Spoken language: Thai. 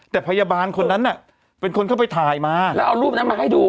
แต่พยาบาลคนนั้นน่ะเป็นคนเข้าไปถ่ายมาแล้วเอารูปนั้นมาให้ดู